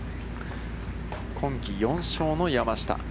今季４勝の山下。